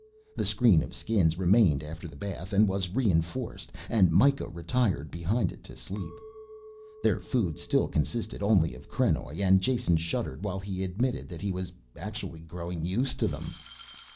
The screen of skins remained after the bath, and was reinforced, and Mikah retired behind it to sleep. Their food still consisted only of krenoj and Jason shuddered while he admitted that he was actually growing used to them.